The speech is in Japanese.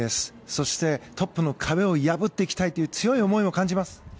そして、トップの壁を破っていきたいという強い思いを感じます。